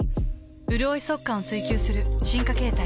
うるおい速乾を追求する進化形態。